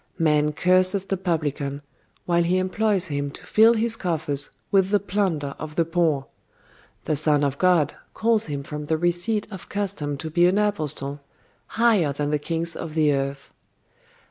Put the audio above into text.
Man curses the publican, while he employs him to fill his coffers with the plunder of the poor: The Son of God calls him from the receipt of custom to be an apostle, higher than the kings of the earth.